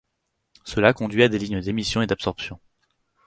Cela conduit à des lignes d’émission et d’absorption.